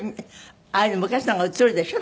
ああいう昔のが映るでしょ？